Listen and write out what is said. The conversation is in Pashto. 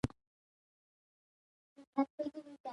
تر هغه چي دا زړونه دوه ډوله شي، يو ئې تك سپين